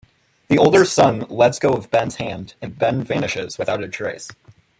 The older son lets go of Ben's hand and Ben vanishes without a trace.